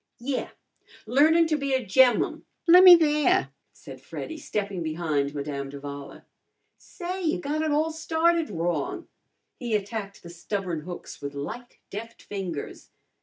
"Yeah learnin' to be a gem'mum. Lemme there," said Freddy, stepping behind Madame d'Avala. "Say, you've got it all started wrong." He attacked the stubborn hooks with light, deft fingers.